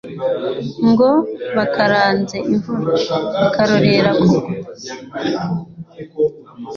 ngo bakaranze imvura, ikarorera kugwa